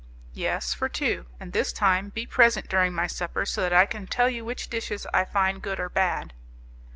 "Yes, for two; and, this time, be present during my supper, so that I can tell you which dishes I find good or bad."